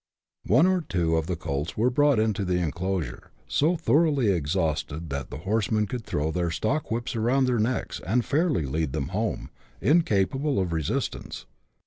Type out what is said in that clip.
One or two of the colts were brought in to the enclosures, so thoroughly exhausted that the horsemen could throw their stock whips around their necks, and fairly lead them home, incapable of resistance.